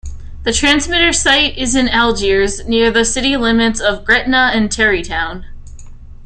The transmitter site is in Algiers, near the city limits of Gretna and Terrytown.